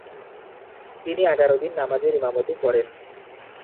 তিনি এগারো দিন নামাজের ইমামতি করেন।